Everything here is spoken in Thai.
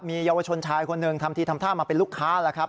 มีเยาวชนชายคนหนึ่งทำทีทำท่ามาเป็นลูกค้าแล้วครับ